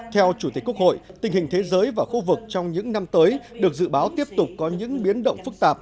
theo chủ tịch quốc hội tình hình thế giới và khu vực trong những năm tới được dự báo tiếp tục có những biến động phức tạp